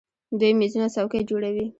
دوی میزونه او څوکۍ جوړوي.